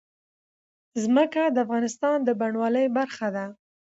ځمکه د افغانستان د بڼوالۍ برخه ده.